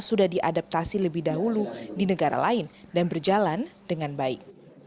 sudah diadaptasi lebih dahulu di negara lain dan berjalan dengan baik